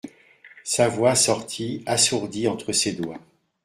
Sa voix sortit, assourdie, entre ses doigts.